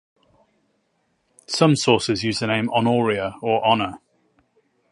Some sources use the name "Honoria" or "Honor".